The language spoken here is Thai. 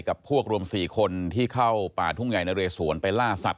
กับพวกรวม๔คนที่เข้าป่าทุ่งใหญ่นะเรสวนไปล่าสัตว